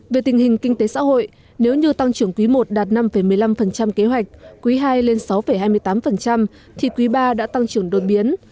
về tình hình kinh tế xã hội nếu như tăng trưởng quý i đạt năm một mươi năm kế hoạch quý ii lên sáu hai mươi tám thì quý ba đã tăng trưởng đột biến